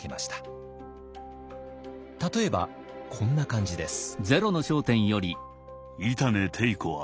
例えばこんな感じです。